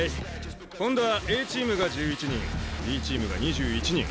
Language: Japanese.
今度はＡチームが１１人Ｂチームが２１人。